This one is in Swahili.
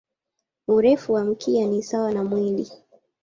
Urefu wa mkia ni sawa na mwili.